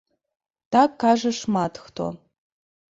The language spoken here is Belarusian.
Так кажа шмат хто.